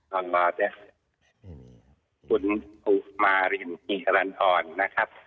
คุณผู้มารินมีรันด์อ่อนนะครับ